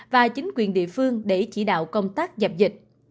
và chính quyền địa phương để chỉ đạo công tác dập dịch